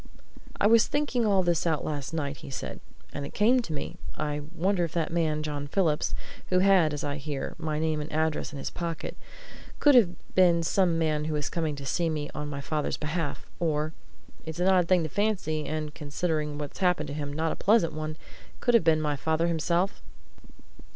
"I was thinking all this out last night," he said, "and it came to me I wonder if that man, John Phillips, who had, as I hear, my name and address in his pocket, could have been some man who was coming to see me on my father's behalf, or it's an odd thing to fancy, and, considering what's happened him, not a pleasant one! could have been my father himself?"